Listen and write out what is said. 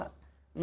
ada yang kedua